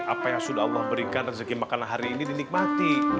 apa yang sudah allah berikan rezeki makanan hari ini dinikmati